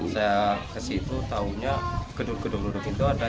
saya ke situ taunya gedung gedung itu ada